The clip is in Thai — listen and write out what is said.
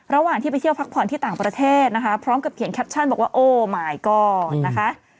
ระหว่างที่ไปเที่ยวพักผ่อนที่ต่างประเทศนะคะพร้อมกับเขียนแคปชั่นบอกว่าโอ้หมายก่อนนะคะ